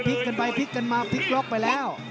กันไปพลิกกันมาพลิกล็อกไปแล้ว